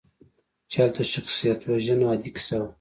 چې هلته شخصیتوژنه عادي کیسه وه.